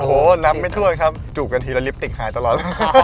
โอ้โหนับไม่ถ้วนครับจูบกันทีละลิปติกหายตลอด